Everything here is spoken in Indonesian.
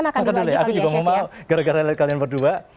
makan dulu ya aku juga mau mau gara gara lihat kalian berdua